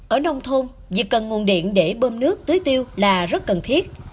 ở nông thôn việc cần nguồn điện để bơm nước tưới tiêu là rất cần thiết